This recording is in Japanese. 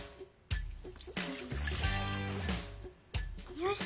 よし。